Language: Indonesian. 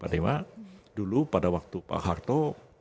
artinya dulu pada waktu pak harto